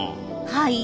はい。